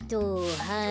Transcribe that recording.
はい。